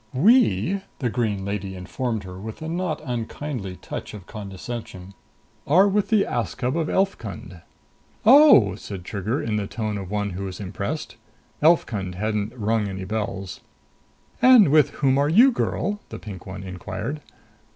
"We," the green lady informed her with a not unkindly touch of condescension, "are with the Askab of Elfkund." "Oh!" said Trigger in the tone of one who is impressed. Elfkund hadn't rung any bells. "And with whom are you, girl?" the pink one inquired.